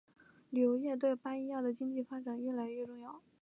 旅游业对巴伊亚的经济发展越来越重要。